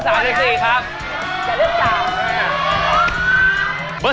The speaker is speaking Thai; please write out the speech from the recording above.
จะเลือก๓